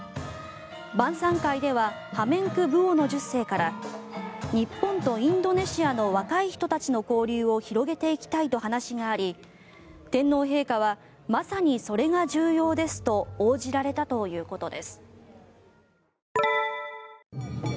晩さん会ではハメンクブウォノ１０世から日本とインドネシアの若い人たちの交流を広げていきたいと話があり天皇陛下はまさにそれが重要ですと応じられたということです。